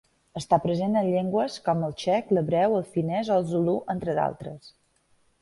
Està present en llengües com el txec, l'hebreu, el finès o el zulú, entre d'altres.